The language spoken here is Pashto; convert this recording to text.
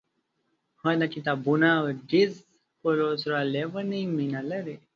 هغه د کتابونو غږیز کولو سره لیونۍ مینه لري.